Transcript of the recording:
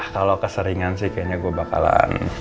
kalau keseringan sih kayaknya gue bakalan